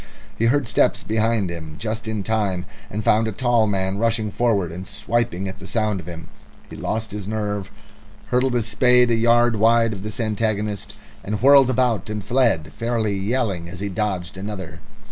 He heard steps behind him just in time, and found a tall man rushing forward and swiping at the sound of him. He lost his nerve, hurled his spade a yard wide at his antagonist, and whirled about and fled, fairly yelling as he dodged another.